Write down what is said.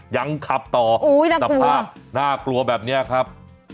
ยังขับต่อโอ้ยน่ากลัวสัมภาพน่ากลัวแบบเนี่ยครับ